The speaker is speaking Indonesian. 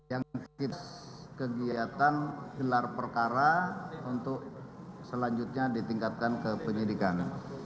yang kits kegiatan gelar perkara untuk selanjutnya ditingkatkan ke penyidikan